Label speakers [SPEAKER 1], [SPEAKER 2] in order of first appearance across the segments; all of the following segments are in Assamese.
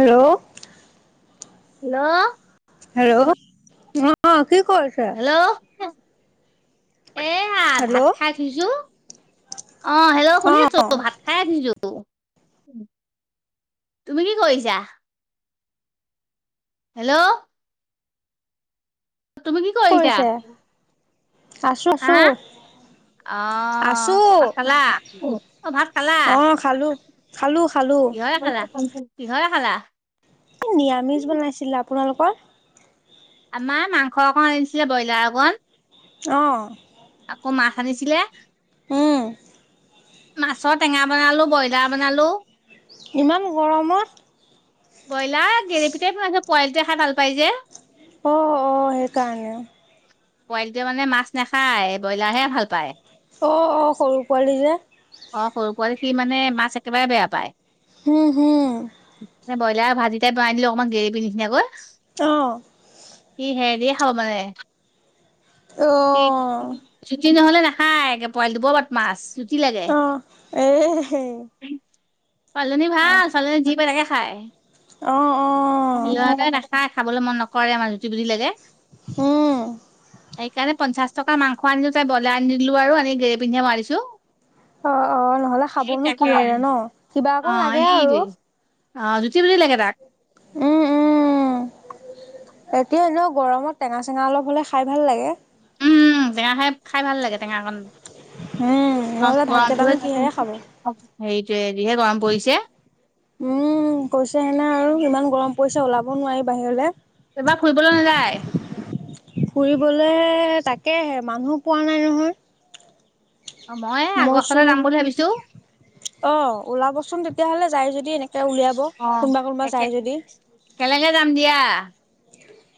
[SPEAKER 1] হেল্ল'।
[SPEAKER 2] হেল্ল'।
[SPEAKER 1] হেল্ল'। অ' কি কৰিছে?
[SPEAKER 2] হেল্ল'। এয়া ভাত
[SPEAKER 1] হেল্ল'
[SPEAKER 2] খাই উঠিছোঁ। অ' হেল্ল'
[SPEAKER 1] অ
[SPEAKER 2] শুনি আছোঁ। ভাত খাই উঠিছোঁ। তুমি কি কৰিছা? হেল্ল'। তুমি কি কৰিছা?
[SPEAKER 1] আছোঁ
[SPEAKER 2] হা
[SPEAKER 1] আছোঁ।
[SPEAKER 2] অ' ভাত খালা, অ' ভাত খালা?
[SPEAKER 1] অ' খালোঁ। খালোঁ খালোঁ।
[SPEAKER 2] কিহৰে খালা? কিহৰে খালা?
[SPEAKER 1] এ, নিৰামিষ বনাইছিলে। আপোনালোকৰ?
[SPEAKER 2] আমাৰ মাংস অকণ আনিছিলে, ব্ৰইলাৰ অকণ।
[SPEAKER 1] অ'।
[SPEAKER 2] আকৌ মাছ আনিছিলে।
[SPEAKER 1] হুম।
[SPEAKER 2] মাছৰ টেঙা বনালোঁ, ব্ৰইলাৰ বনালোঁ।
[SPEAKER 1] ইমান গৰমত?
[SPEAKER 2] ব্ৰইলাৰ গেৰেপিতেই বনাইছে, পোৱালীটোৱে খাই ভাল পাই যে।
[SPEAKER 1] অ', অ' সেইকাৰণে অ'।
[SPEAKER 2] পোৱালিটোৱে মানে মাছ নাখায়, ব্ৰইলাৰহে ভাল পায়।
[SPEAKER 1] অ', অ' সৰু পোৱালি যে।
[SPEAKER 2] অ' সৰু পোৱালী, সি মানে মাছ একেবাৰে বেয়া পায়।
[SPEAKER 1] হু হু।
[SPEAKER 2] ব্ৰইলাৰ ভাজিটাইপ বনাই দিলোঁ অকমান গ্ৰেভি নিচিনাকৈ।
[SPEAKER 1] অ'।
[SPEAKER 2] ই হেৰিৰে খাব মানে।
[SPEAKER 1] অ'।
[SPEAKER 2] ই জুতি নহ'লে নাখায়, একে পোৱালিটো বৰ বত মাছ জুতি লাগে?
[SPEAKER 1] অ এ
[SPEAKER 2] ছোৱালীজনী ভাল ছোৱালীজনী যি পায় তাকে খায়।
[SPEAKER 1] অ অ
[SPEAKER 2] ল'ৰাটোৱে নাখায়। খাবলৈ মন নকৰে, আমাৰ জুতি বুলি লাগে।
[SPEAKER 1] হুম।
[SPEAKER 2] সেইকাৰণে পঞ্চাছ টকাৰ মাংস আনিলোঁ, তাই ব্ৰইলাৰ আনিলোঁ আৰু আনি গেৰীপি নিচিনা বনাই দিছোঁ।
[SPEAKER 1] অ অ নহ'লে
[SPEAKER 2] সেই
[SPEAKER 1] খাবনো
[SPEAKER 2] তাকে।
[SPEAKER 1] কিহেৰে ন কিবা অকণ
[SPEAKER 2] অ'
[SPEAKER 1] লাগে
[SPEAKER 2] ই সি
[SPEAKER 1] আৰু
[SPEAKER 2] অ', জুতি বুধি লাগে তাক।
[SPEAKER 1] উম উম এতিয়া এনেও গৰমত টেঙা চেঙা অলপ হ'লে খাই ভাল লাগে।
[SPEAKER 2] উম টেঙা খাই, খাই ভাল লাগে টেঙা অকণ।
[SPEAKER 1] উম নহ'লে
[SPEAKER 2] গৰমটোহে,
[SPEAKER 1] ভাতকেইটানো কিহেৰে খাব
[SPEAKER 2] হেৰিটোৱেহে গৰম পৰিছে।
[SPEAKER 1] উম্, কৈছো মানে আৰু ইমান গৰম পৰিছে ওলাব নোৱাৰি বাহিৰলৈ।
[SPEAKER 2] এইবাৰ ফুৰিবলৈ নাযায়।
[SPEAKER 1] ফুৰিবলে তাকেহে মানুহো পোৱা নাই নহয়।
[SPEAKER 2] অ', মই আগষ্টতে
[SPEAKER 1] মইছো
[SPEAKER 2] যাম বুলি ভাবিছোঁ।
[SPEAKER 1] অ', ওলাবচোন তেতিয়াহ'লে যাই যদি এনেকে উলিয়াব,
[SPEAKER 2] অ',
[SPEAKER 1] কোনোবা কোনোবা
[SPEAKER 2] একে
[SPEAKER 1] যায় যদি।
[SPEAKER 2] একেলগে যাম দিয়া।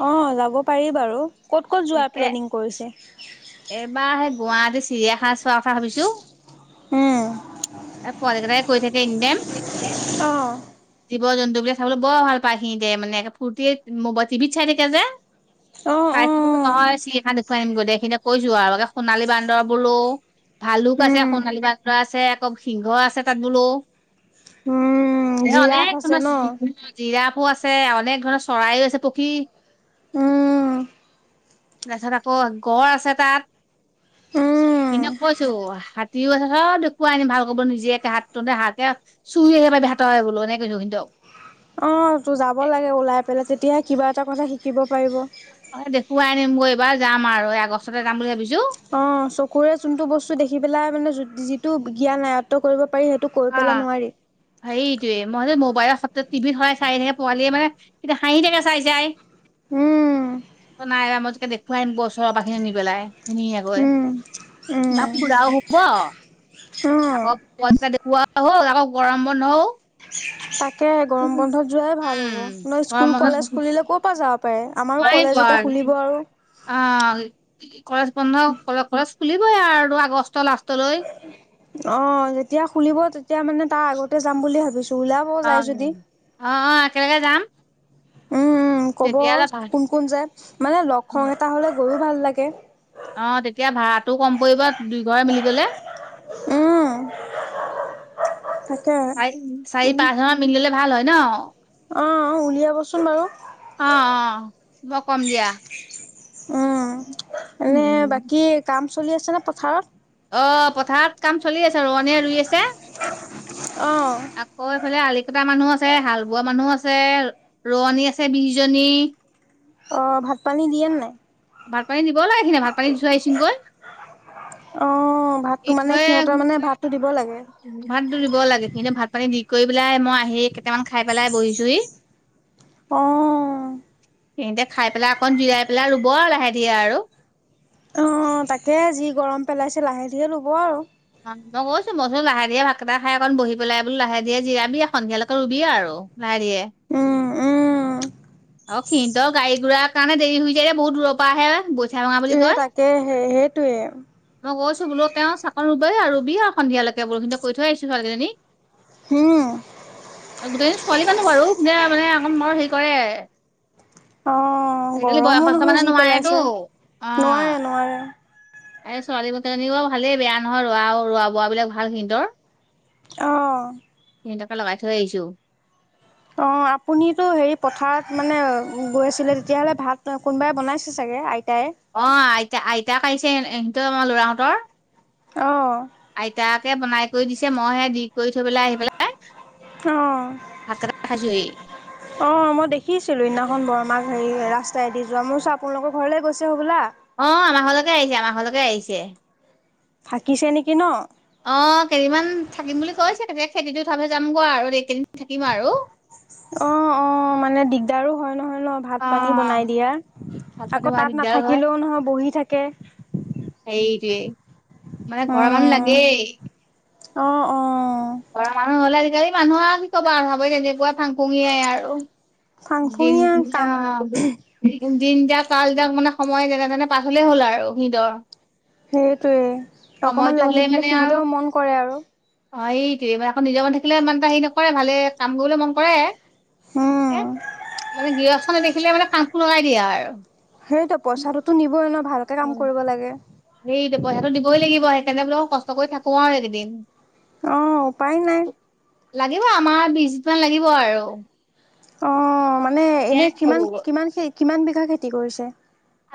[SPEAKER 1] অ', যাব পাৰি বাৰু, ক'ত ক'ত যোৱাৰ
[SPEAKER 2] একে
[SPEAKER 1] প্লেনিং কৰিছে?
[SPEAKER 2] এইবাৰ সেই গুৱাহাটী চিৰিয়াখানা চোৱাৰ কথা ভাবিছোঁ।
[SPEAKER 1] উম
[SPEAKER 2] আমাৰ পোৱালিকেইটাই কৈ থাকে এনিটাইম।
[SPEAKER 1] অ
[SPEAKER 2] জীৱ জন্তু বিলাক চাবলৈ বৰ ভাল পায় সি দে মানে ফুৰ্তিত মো টিভিত চাই থাকে যে।
[SPEAKER 1] অ', অ',
[SPEAKER 2] কৈছো নহয়, চিৰিয়াখানা খন দেখুৱাই আনিম দে, সিদিনাখনৰ কৈছোঁ আৰু লগে সোণালী বান্দৰ বোলো। ভালুক আছে
[SPEAKER 1] উম
[SPEAKER 2] সোণালী বান্দৰ আছে, আকৌ সিংহ আছে তাত বোলো।
[SPEAKER 1] উম
[SPEAKER 2] এ
[SPEAKER 1] জিৰাফ
[SPEAKER 2] অনেক
[SPEAKER 1] আছে
[SPEAKER 2] ধৰণৰ
[SPEAKER 1] ন
[SPEAKER 2] জিৰাফো আছে, অনেক ধৰণৰ চৰাইও আছে, পখী
[SPEAKER 1] উম্,
[SPEAKER 2] তাৰপিছত আকৌ গঁড় আছে তাত,
[SPEAKER 1] উম
[SPEAKER 2] সিদিনা কৈছোঁ। আছে, চব দেখুৱাই আনিম ভাল কৈ নিজে একে হাত তোঁতে হাগে। চুই আহিব পাৰিবি হাতটোই বোলো এনেকৈ কিন্তু।
[SPEAKER 1] অ', তো যাব লাগে ওলাই পেলাই তেতিয়াহে কিবা এটা কথা শিকিব পাৰিব।
[SPEAKER 2] অ', দেখুৱাই আনিমগৈ এইবাৰ, যাম আৰু এই আগষ্টতে যাম বুলি ভাবিছোঁ।
[SPEAKER 1] অ', চকুৰে যোনটো বস্তু দেখি পেলাই মানে যিটো জ্ঞান আয়ত্ব কৰিব পাৰি সেই তো
[SPEAKER 2] অ
[SPEAKER 1] কৈ পেলাই নোৱাৰি।
[SPEAKER 2] সেইটোয়ে, মই মোবাইলত টিভিত সদাই চাই থাকে পোৱালিয়ে মানে, এতিয়া হাঁহি থাকে চাই চাই।
[SPEAKER 1] উম্।
[SPEAKER 2] ত নাই, মই তোকে দেখুৱাই নিম ওচৰৰ পৰা নি পেলাই ধুনীয়াকৈ।
[SPEAKER 1] উম
[SPEAKER 2] বা
[SPEAKER 1] উম
[SPEAKER 2] ফুৰাও হ'ব,
[SPEAKER 1] উম
[SPEAKER 2] আকৌ পইচা ফুৰাও হ'ল আকৌ গৰম বন্ধও
[SPEAKER 1] তাকে গৰম বন্ধত যোৱাই ভাল হ'ব
[SPEAKER 2] উম
[SPEAKER 1] ন স্কুল কলেজ খুলিলে ক'ৰ পৰা যাব পাৰে। আমাৰো কলেজ
[SPEAKER 2] নোৱাৰিটো
[SPEAKER 1] যেতিয়া খুলিব
[SPEAKER 2] আৰু অ', কলেজ বন্ধ কলেজ কলেজ খুলিবই আৰু আগষ্টৰ লাষ্টলৈ।
[SPEAKER 1] অ', যেতিয়া খুলিব তেতিয়া মানে তাৰ আগতে যাম বুলি ভাবিছোঁ।
[SPEAKER 2] অ'অ', একেলগে যাম।
[SPEAKER 1] উম্ উম্, ক'ব
[SPEAKER 2] তেতিয়া অলপ ভাল
[SPEAKER 1] কোন কোন যায়, মানে লগ সংগ এটা হ'লে গৈও ভাল লাগে।
[SPEAKER 2] অ', তেতিয়া ভাড়াটো কম পৰিব দুইঘৰে মিলি গ'লে।
[SPEAKER 1] উম্, তাকে।
[SPEAKER 2] চাৰি চাৰি
[SPEAKER 1] বুলি
[SPEAKER 2] পাঁচ ঘৰমান মিলিলে ভাল হয় ন।
[SPEAKER 1] অ', উলিয়াবচোন বাৰু।
[SPEAKER 2] অ'অ', মই কম দিয়া।
[SPEAKER 1] উম। এনে
[SPEAKER 2] উম্,
[SPEAKER 1] বাকী কাম চলি আছেনে পথাৰত।
[SPEAKER 2] অ', পথাৰত কাম চলি আছে, ৰোৱনীয়ে ৰুই
[SPEAKER 1] অ'।
[SPEAKER 2] আছে। অঁএইফালে আলিকটা মানুহ আছে হাল বোৱা মানুহ আছে ৰোৱনী আছে বিজনী
[SPEAKER 1] অ', ভাত পানী দিয়েনে নাই।
[SPEAKER 2] ভাত পানী দিব লাগে, সিদিনা ভাত পানী দি থই আহিছোঁ গৈ।
[SPEAKER 1] অ', ভাতটো মানে সিহঁতৰ মানে ভাতটো দিব লাগে।
[SPEAKER 2] ভাত দিব লাগে, সিহঁতক ভাত পানী দি কৰি পেলাই মই আহি কেইটামান খাই পেলাই বহিছোঁহি। [unintelligible]
[SPEAKER 1] অ'।
[SPEAKER 2] সেইতে খাই পেলাই অকণ জিৰাই পেলাই ৰুব লাহে ধিয়ে আৰু।
[SPEAKER 1] অ', তাকে যি গৰম পেলাইছে লাহে ধীৰে ৰুব আৰু।
[SPEAKER 2] অ', মই কৈছোঁ মইনো লাহোহে ভাতকেইটা খাইকণ বহিবি পেলাই লাহে জিৰাবি সন্ধিয়ালৈকে ৰুবি আৰু। লাহে ধীৰে।
[SPEAKER 1] উম, উম।
[SPEAKER 2] অ', সিহঁতক গাড়ী গুৰাৰ কাৰণে দেৰি হৈ যায়, যে বহুত দূৰৰ পৰা আহে। ভঙা বুলি
[SPEAKER 1] এই
[SPEAKER 2] কয়
[SPEAKER 1] তাকে সে সেইটোৱে।
[SPEAKER 2] মই গৈছো বোলো, তেওঁ চাকোন ৰুবই আৰু সন্ধিয়ালৈকে বোলো খিনি কৈ থৈ আহিছোঁ ছোৱালীকেইজনীক।
[SPEAKER 1] উম,
[SPEAKER 2] গোটেইকেইজনী ছোৱালী মানুহ বাৰু সিহঁতে মানে আক মোৰ হে
[SPEAKER 1] অ'
[SPEAKER 2] আজিকালি
[SPEAKER 1] গৰমো
[SPEAKER 2] বয়সস্থ
[SPEAKER 1] নহয়
[SPEAKER 2] মানুহে
[SPEAKER 1] যি
[SPEAKER 2] নোৱাৰেটো
[SPEAKER 1] পেলাইছে।
[SPEAKER 2] অ'।
[SPEAKER 1] নোৱাৰে নোৱাৰে
[SPEAKER 2] এই ছোৱালী কেইজনী ভালেই বেয়া নহয়, ৰোৱা, ৰোৱা বোৱা বিলাক ভাল সিহঁতৰ।
[SPEAKER 1] অ'।
[SPEAKER 2] সিহঁতকে লগাই থৈ আহিছোঁ।
[SPEAKER 1] অ', আপুনিতো হেৰি পথাৰত মানে গৈ আছিলে, তেতিয়াহ'লে ভাত কোনোবাই বনাইছে? ছে চাগে আইতাই।
[SPEAKER 2] অ', আইতা, আইতাক আহিছে ইহঁতৰ লৰাহঁতৰ।
[SPEAKER 1] অ'।
[SPEAKER 2] আইতাকে বনাই কৰি দিছে, মই হে দি কৰি থৈ পেলাই আহি পেলাই।
[SPEAKER 1] অ'।
[SPEAKER 2] ভাত কেইটা [unintelligible]
[SPEAKER 1] অ', মই দেখিছিলোঁ সেইদিনাখন বৰমাক হেৰি ৰাস্তাইদি যোৱা, মই বোলোঁ আপোনালোকৰ ঘৰলৈ গৈছে হ'বলা।
[SPEAKER 2] অ', আমাৰ ঘৰলৈকে আহিছে আমাৰ ঘৰলৈকে আহিছে।
[SPEAKER 1] থাকিছে নেকি ন?
[SPEAKER 2] অ', কেইদিনমান থাকিম বুলি কৈছে, কেতিয়া খেতিটো উঠালে যাম গে আৰু এই কেইদিন থাকিম আৰু।
[SPEAKER 1] অ', অ'মানে দিগদাৰো হয় নহয় ন
[SPEAKER 2] অ
[SPEAKER 1] ভাত পানী বনাই দিয়া।
[SPEAKER 2] ভাত পানী
[SPEAKER 1] আকৌ
[SPEAKER 2] খোৱা
[SPEAKER 1] তাত
[SPEAKER 2] দিগদাৰ হয়
[SPEAKER 1] নাথাকিলেওঁ নহয় বহি থাকে।
[SPEAKER 2] এইটোৱেই মানে ঘৰ মানুহ লাগেই।
[SPEAKER 1] অ', অ'।
[SPEAKER 2] মানুহ হ'লে আজিকালি মানুহ আৰু কি ক'বা, আৰু ভাব তেনেকুৱা ফাং খুঙে আৰু।
[SPEAKER 1] ফাংফুঙীয়া কাম
[SPEAKER 2] দিন। দিন দাক কালটাক মানে সময় যেনে তেনে পাৰ হ'লে হ'ল আৰু সিহঁতৰ।
[SPEAKER 1] সেইটোৱেই অকণমান
[SPEAKER 2] সময়টো
[SPEAKER 1] লাগি
[SPEAKER 2] হলেই
[SPEAKER 1] দিলে
[SPEAKER 2] মানে আৰু
[SPEAKER 1] সিহঁতেও মন কৰে আৰু।
[SPEAKER 2] অ', এইটোৱেই মানে আকৌ নিজৰ মন থাকিলে ইমান এটা হেৰি নকৰে, ভালে কাম কৰিবলৈ মন কৰে।
[SPEAKER 1] উম
[SPEAKER 2] এ, মানে গৃহস্থ নেদেখিলে মানে ফাং ফুং লগাই দিয়া আৰু।
[SPEAKER 1] সেইটো পইচাটোতো নিবই ন, ভালকৈ কাম কৰিব লাগে।
[SPEAKER 2] সেইটো পইচাটো দই লাগিব সেইকাৰণে বোলে কষ্ট কৰি থাকো আৰু একেইদিন।
[SPEAKER 1] অ', উপায় নাই।
[SPEAKER 2] লাগিব আমাৰ বিশ দিন মান লাগিব আৰু।
[SPEAKER 1] অ', মানে এনেই কিমান, কিমান, কিমান বিঘা খেতি কৰিছে।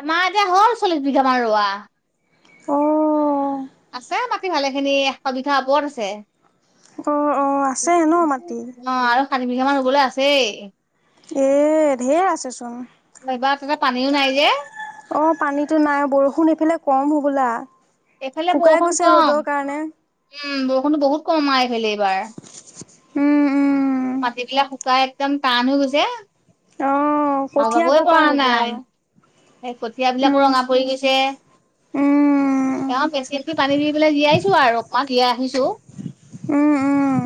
[SPEAKER 2] আমাৰ এতিয়া হ'ল চল্লিশ বিঘামান ৰোৱা।
[SPEAKER 1] অ'।
[SPEAKER 2] আছে মাটি ভালে খিনি এশ বিঘা ওপৰত আছে।
[SPEAKER 1] অ অ আছে ন মাটি
[SPEAKER 2] অ', আৰু ষাঠি বিঘা মান ৰুবলৈ আছেই।
[SPEAKER 1] এ, ধেৰ আছেচোন।
[SPEAKER 2] অ', এইবাৰ তাতে পানীও নাই যে।
[SPEAKER 1] অ', পানীতো নাই বৰষুণ এইফালে কম হ'বলা।
[SPEAKER 2] এইফালে
[SPEAKER 1] শুকাই
[SPEAKER 2] বৰষুণ
[SPEAKER 1] গৈছে
[SPEAKER 2] কম।
[SPEAKER 1] ৰ'দৰ কাৰণে
[SPEAKER 2] উম, বৰষুণতো বহুত কমাই আহিল এইবাৰ।
[SPEAKER 1] উম উম
[SPEAKER 2] মাটিবিলাক শুকাই একদম টান হৈ গৈছে।
[SPEAKER 1] অ
[SPEAKER 2] হাল
[SPEAKER 1] কঠীয়া
[SPEAKER 2] বাবয়ে
[SPEAKER 1] ক'ৰ
[SPEAKER 2] পৰা
[SPEAKER 1] হ'ব
[SPEAKER 2] নাই।
[SPEAKER 1] আৰু
[SPEAKER 2] সেই কঠিয়াবিলাকো
[SPEAKER 1] উম
[SPEAKER 2] ৰঙা পৰি গৈছে।
[SPEAKER 1] উম
[SPEAKER 2] তেওঁ পেচিকেট পানী দি পেলাই জীয়াইছো আৰু অকমান জীয়াই ৰাখিছোঁ।
[SPEAKER 1] উম, উম।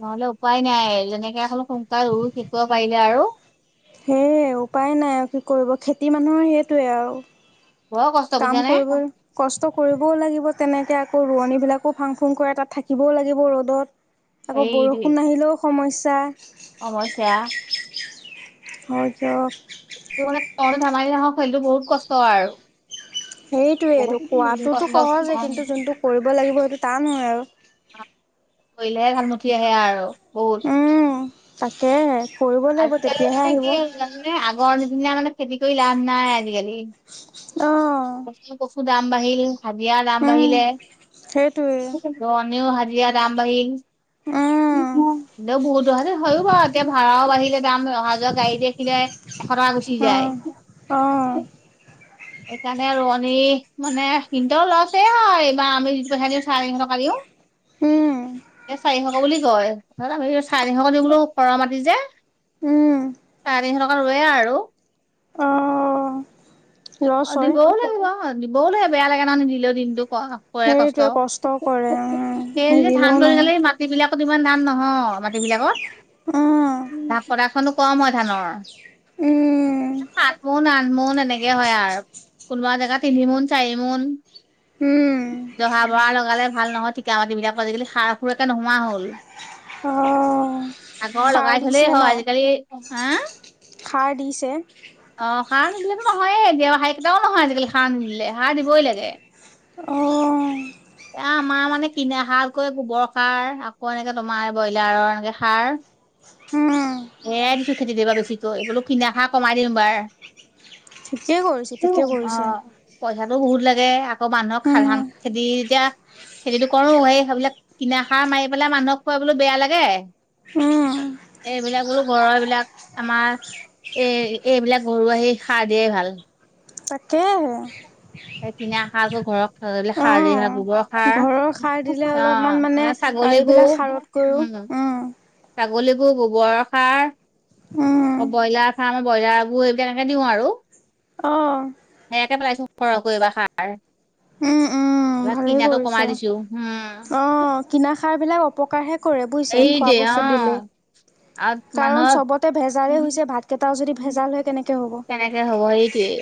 [SPEAKER 2] নহলে উপায় নাই যেনেকে এখন সোনকালে ৰুই শেষ কৰিব পাৰিলে আৰু।
[SPEAKER 1] সেয়ে উপায় নাই আৰু কি কৰিব খেতি মানুহৰ সেইটোৱে আৰু।
[SPEAKER 2] বৰ কষ্ট
[SPEAKER 1] কাম
[SPEAKER 2] বুইছা নে
[SPEAKER 1] কৰিব। কষ্ট কৰিবও লাগিব তেনেকে আকৌ ৰোৱনী বিলাকো ফাং ফুং কৰে তাত থাকিবও লাগিব ৰ'দত। আকৌ
[SPEAKER 2] এইটোৱে
[SPEAKER 1] বৰষুণ আহিলেও সমস্যা।
[SPEAKER 2] সমস্যা।
[SPEAKER 1] হয় দিয়ক।
[SPEAKER 2] সেইটো মানে খোৱাতো ধেমালি নহয় সেইটো বহুত কষ্ট আৰু।
[SPEAKER 1] সেইটোৱেই
[SPEAKER 2] বহুত
[SPEAKER 1] খোৱাতো
[SPEAKER 2] কষ্ট
[SPEAKER 1] সহজেই কিন্তু যোনটো কৰিব লাগিব সেইটো তান হয় আৰু।
[SPEAKER 2] কৰিলেহে ভাত মুঠি আহে আৰু বহুত।
[SPEAKER 1] উম, তাকে কৰিব লাগিব
[SPEAKER 2] আজিকালি
[SPEAKER 1] তেতিয়াহে
[SPEAKER 2] মানে
[SPEAKER 1] আহিব।
[SPEAKER 2] কি আগৰ নিদিনা মানে খেতি কৰি লাভ নাই
[SPEAKER 1] অ
[SPEAKER 2] আজিকালি দাম বাহিল হাজিৰা দাম
[SPEAKER 1] উম।
[SPEAKER 2] বাঢ়িলে।
[SPEAKER 1] সেইটোৱে
[SPEAKER 2] ৰোৱনি হাজিৰা দাম বাঢ়িল।
[SPEAKER 1] উম
[SPEAKER 2] এও বহুতো হয়ও বাৰু এতিয়া ভাড়াও আহিলে দাম অহা যোৱা গাড়ী দেখিলে এশ টকা গুচি
[SPEAKER 1] অ
[SPEAKER 2] যায়।
[SPEAKER 1] অ
[SPEAKER 2] [inaudible] সেইকাৰণে ৰোৱনী মানে সিহণতৰো লচে হয় এইবাৰ আমি যিটো দিওঁ চাৰে তিনিশ টকা দিওঁ।
[SPEAKER 1] উম
[SPEAKER 2] এ চাৰিশ বুলি কয় আমি চাৰিশ কে দিও বোলো সৰহ মাটি যে।
[SPEAKER 1] উম
[SPEAKER 2] চাৰে তিনিশ টকা ৰুয়ে আৰু।
[SPEAKER 1] অ লছ
[SPEAKER 2] অ',
[SPEAKER 1] হয়।
[SPEAKER 2] দিবও লাগিব দিবওে বেয়া লাগে ন নিদিলেও দিনটো ক কৰে কষ্ট
[SPEAKER 1] সেইটোৱে কৰে উম,
[SPEAKER 2] সেই ধান
[SPEAKER 1] নিদিলেও
[SPEAKER 2] পৰি
[SPEAKER 1] নহয়
[SPEAKER 2] গালে মাত মাটিবিলাকত ইমান ধান নহয় মাটিবিলাকত।
[SPEAKER 1] উম।
[SPEAKER 2] তাত প্ৰডাক্টচন কম হয় ধানৰ।
[SPEAKER 1] উম,
[SPEAKER 2] সাত মোন আঠমোন এনেকে হয় আৰু। কোনোবা জেগাত তিনি মোন চাৰি মোন।
[SPEAKER 1] উম,
[SPEAKER 2] জহা বৰা লগালে ভাল নহয় ঠিকা মাটিববিলাকত আজিকালি সাৰ সুৰ একে নোহোৱা হ'ল। [inaudible]
[SPEAKER 1] অ'।
[SPEAKER 2] আগৰ
[SPEAKER 1] সাৰ
[SPEAKER 2] লগাই থ'লেই
[SPEAKER 1] দিছে ন?
[SPEAKER 2] হয় আজিকালি হা?
[SPEAKER 1] সাৰ দিছে অ',
[SPEAKER 2] অ', সাৰ নিদিলেতো নহয়ে এতিয়া সাৰ কেইটাও নহয় আজিকালি সাৰ নিদিলে সাৰ দিবই লাগে।
[SPEAKER 1] অ'।
[SPEAKER 2] এ আমাৰ মানে কিনা সাৰ কৈ গোবৰ সাৰ আকৌ এনেকে তোমাৰ ব্ৰইলাৰৰ এনেকে সাৰ।
[SPEAKER 1] উম,
[SPEAKER 2] হেয়াই দিছো খেতি দিবা বেছিকৈ এইবোলো কিনা সাৰ কমাই দিম এবাৰ। [inaudible]
[SPEAKER 1] ঠিকেই কৰিছে ঠিকে কৰিছে
[SPEAKER 2] পইচাটো বহুত লাগে আকৌ মানুহক
[SPEAKER 1] উম,
[SPEAKER 2] সাধাৰান খেতি এতিয়া খেতিটো কৰো সেই সেইবিলাক কিনা সাৰ মাৰি পেলাই মানুহক খুৱাবলৈ বেয়া লাগে।
[SPEAKER 1] উম,
[SPEAKER 2] এইবিলাক বোলো ঘৰৰ এইবিলাক আমাৰ এই এইবিলাক ঘৰুৱা এই সাৰ দিয়ে ভাল।
[SPEAKER 1] তাকেহে।
[SPEAKER 2] এই কিনা খাৰটো ঘৰত সাৰ যে হোৱা
[SPEAKER 1] অ',
[SPEAKER 2] গোবৰ সাৰ।
[SPEAKER 1] ঘৰৰ সাৰ দিলে অলপমান মানে
[SPEAKER 2] অ', ছাগলী গো
[SPEAKER 1] এইবিলাক সাৰতকৈও
[SPEAKER 2] উম।
[SPEAKER 1] উম,
[SPEAKER 2] ছাগলী গো গোবৰ সাৰ।
[SPEAKER 1] উম,
[SPEAKER 2] অ', ব্ৰইলাৰ ফাৰ্ম ব্ৰইলাৰ গো এইবিল এনেকে দিওঁ আৰু।
[SPEAKER 1] অ',
[SPEAKER 2] সেয়াকে পেলাইছো সৰহকৈ সাৰ।
[SPEAKER 1] উম, উম,
[SPEAKER 2] ইয়াত
[SPEAKER 1] ভালেই
[SPEAKER 2] কিনাটো কমাই
[SPEAKER 1] কৰিছে।
[SPEAKER 2] দিছো।
[SPEAKER 1] অ' কিনা সাৰ বিলাক অপকাৰহে কৰে বুজিছে
[SPEAKER 2] এই দে
[SPEAKER 1] খোৱা বস্তু দিলে।
[SPEAKER 2] অ', আৰু
[SPEAKER 1] কাৰণ
[SPEAKER 2] মানুহৰ
[SPEAKER 1] চবতে ভেজালেই হৈছে ভাতকেইটাও যদি ভেজাল হয় কেনেকৈ হ'ব।
[SPEAKER 2] কেনেকে হ'ব সেইটোয়ে।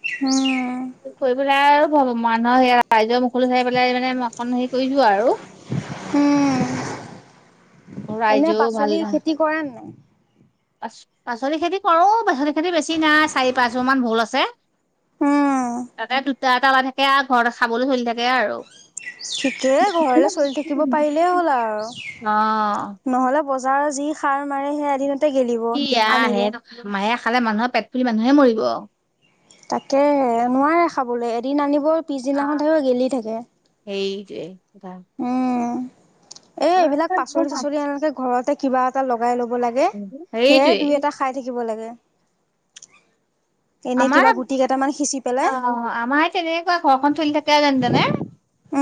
[SPEAKER 1] উম।
[SPEAKER 2] কৰি পেলাই আৰু মানুহৰ সে ৰাইজৰ মুখলৈ চাই পেলাই মানে মই অকণ হেৰি কৰিছো আৰু।
[SPEAKER 1] উম,
[SPEAKER 2] ৰাইজ ভাল ধান
[SPEAKER 1] কৰেনে নাই।
[SPEAKER 2] পাচলি খেতি কৰো, পাচলি খেতি বেছি নাই চাৰি পাঁচবোৰ মান ভোল আছে। তাতে দুটা এটা ওলাই থাকে আৰু ঘৰতে খাবলৈ চলি থাকে আৰু।
[SPEAKER 1] ঠিকেই ঘৰলে চলি থাকিব পাৰিলেই হ'ল আৰু।
[SPEAKER 2] অ',
[SPEAKER 1] নহ'লে বজাৰৰ যি সাৰ মাৰে সেই আধি
[SPEAKER 2] ই আই সেয়া খালে মানুহহে খালে মানুহৰ পেট ফুলি মানুহে মৰিব।
[SPEAKER 1] তাকে নোৱাৰে খাবলৈ এদিন আনিব পিছদিনাখন থাকিব গেলি থাকে।
[SPEAKER 2] সেইটোৱেই কথা।
[SPEAKER 1] উম এই এইবিলাক পাচলি চাচলি এনেকে ঘৰত কিবা এটা লগাই ল'ব লাগে সেয়াই
[SPEAKER 2] সেইটোৱে
[SPEAKER 1] দুই এটা খাই থাকিব লাগে। এনেই
[SPEAKER 2] আমাৰ
[SPEAKER 1] কিবা গুটি কেইটামান সিঁচি পেলাই
[SPEAKER 2] অ' আমাৰে তেনেকুৱা ঘৰখন চলি থাকে যেনতেনে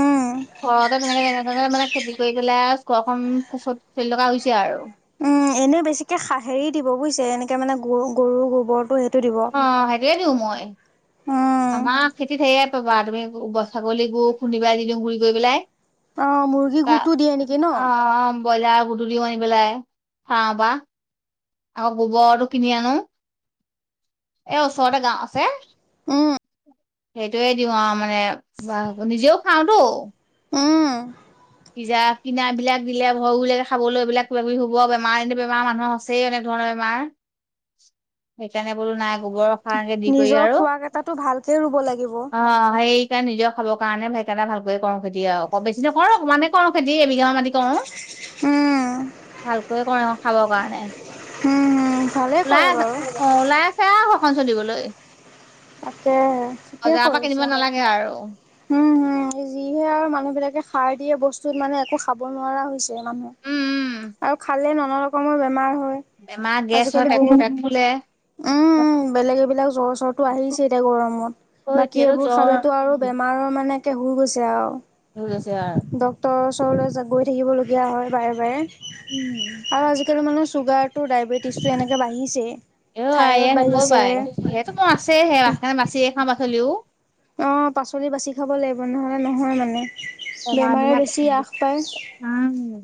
[SPEAKER 1] উম।
[SPEAKER 2] ঘৰতে তেনেকে যেনে তেনে মানে খেতি কৰি পেলাই ঘৰখন চলি থকা হৈছে আৰু।
[SPEAKER 1] উম এনে বেছিকে হেৰি দিব বুজিছে এনেকে মানে গ গৰু গোৱৰটো সেইটো দিব।
[SPEAKER 2] অ' হেইতোয়ে দিওঁ মই।
[SPEAKER 1] উম
[SPEAKER 2] আমাৰ খেতিত হেয়ে পাবা তুমি ছাগলী গু খুন্দিবাই দি দিওঁ গুৰি কৰি পেলাই।
[SPEAKER 1] অ মুৰ্গী
[SPEAKER 2] তা
[SPEAKER 1] গোটো দিয়ে নেকি ন
[SPEAKER 2] অ' ব্ৰইলাৰ গুটো দিওঁ আনি পেলাই ফাৰ্মৰ পা। আকৌ গোবৰটো কিনি আনো এ ওচৰতে গাওঁ আছে।
[SPEAKER 1] উম।
[SPEAKER 2] সেইটোয়ে দিওঁ আৰু মানে নিজেও খাওঁতো।
[SPEAKER 1] উম।
[SPEAKER 2] পিয়াজ কিনা বিলাক দিলে ভয়ো লাগে খাবলৈ এই বিলাক কিবা কিবি হ'ব বেমাৰ। এনেই বেমাৰ মানুহৰ আছেই। অনেক ধৰণৰ বেমাৰ সেইকাৰণে বোলো নাই গোবৰ সাৰকে দি কৰি
[SPEAKER 1] নিজৰ
[SPEAKER 2] আৰু
[SPEAKER 1] খোৱা কেইটাটো ভালকে ৰুব লাগিব
[SPEAKER 2] অ' সেই এতিয়া নিজৰ খাবৰ কাৰণে হেইকাৰনে এটিয়া ভালকে কৰো খেতি আৰু, অলপ কৰো, বেছি নকৰো। সমানে কৰো খেতি, এবিঘা মান কৰো।
[SPEAKER 1] উম।
[SPEAKER 2] ভালকৈয়ে ক'ৰো খাবৰ কাৰণে।
[SPEAKER 1] উম ভালেই
[SPEAKER 2] ওলাই
[SPEAKER 1] কৰে
[SPEAKER 2] আছে
[SPEAKER 1] বাৰু
[SPEAKER 2] অ' ওলাই আছে আৰু ঘৰখন চলিবলৈ।
[SPEAKER 1] তাকে ঠিকে
[SPEAKER 2] বজাৰৰ পৰা কিনিব
[SPEAKER 1] কৰিছে।
[SPEAKER 2] নালাগে আৰু।
[SPEAKER 1] উম হুম যিহে আৰু মানুহ বিলাকে সাৰ দিয়ে বস্তুত মানে একো খাব নোৱাৰা হৈছে মানুহে।
[SPEAKER 2] উম
[SPEAKER 1] আৰু খালে নানা ৰকমৰ বেমাৰ হয়।
[SPEAKER 2] বেমাৰ গেছ হয়,
[SPEAKER 1] আজিকালি বহুত
[SPEAKER 2] পেত ফুলে।
[SPEAKER 1] উম বেলেগ এইবিলাক জ্বৰ চৰটো আহিছে এতিয়া
[SPEAKER 2] আকৌ
[SPEAKER 1] গৰমত। বাকী
[SPEAKER 2] এতিয়াতো
[SPEAKER 1] এইবোৰ
[SPEAKER 2] জ্বৰ
[SPEAKER 1] খালেতো আৰু বেমাৰৰ মানেকে হৈ গৈছে আৰু।
[SPEAKER 2] হুই গৈছে আৰু।
[SPEAKER 1] ড্ক্তৰৰ ওচৰলৈ গৈ থাকিবলগীয়া হয় বাৰে বাৰে।
[SPEAKER 2] উম।
[SPEAKER 1] আৰু আজিকালি মানে চুগাৰ টো ডায়বেটিছ টো এনেকে বাঢ়িছেই।
[SPEAKER 2] অ' আই এইয়া নকবাই সেইটো মোৰ আছেই আৰু সেইহে বাচি খাওঁ পাচলিও।
[SPEAKER 1] অ' পাচলি বাচি খাব লাগিব নহ'লে নহয় মানে
[SPEAKER 2] বেমাৰ
[SPEAKER 1] বেমাৰে
[SPEAKER 2] বিলাক
[SPEAKER 1] বেছি আশ পায়।
[SPEAKER 2] উম